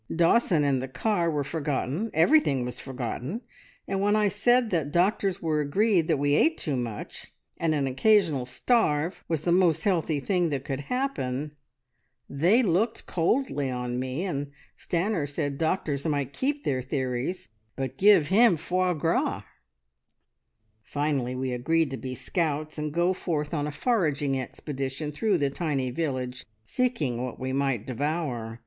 Dawson and the car were forgotten, everything was forgotten, and when I said that doctors were agreed that we ate too much, and an occasional starve was the most healthy thing that could happen, they looked coldly on me, and Stanor said doctors might keep their theories, but give him foie gras! Finally we agreed to be scouts and go forth on a foraging expedition through the tiny village, seeking what we might devour.